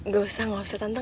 bersikap nggak usah tantang